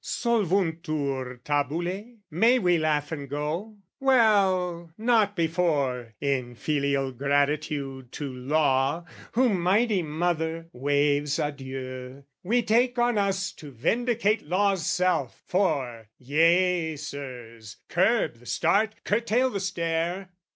Solvuntur tabulae? May we laugh and go? Well, not before (in filial gratitude To Law, who, mighty mother, waves adieu) We take on us to vindicate Law's self For, yea, Sirs, curb the start, curtail the stare!